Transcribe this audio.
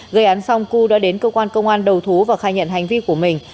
gây án xong cư đã đến cơ quan công an đầu thú và khai nhận hành vi của mình